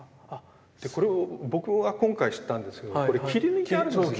でこれを僕は今回知ったんですけどこれ切り抜いてあるんですよね。